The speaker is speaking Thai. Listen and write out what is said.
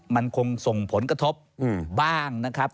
มันคงส่งผลกระทบบ้างนะครับ